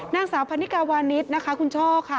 นางสาวพันนิกาวานิสนะคะคุณช่อค่ะ